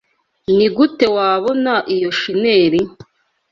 Nigute wabona iyo shiner?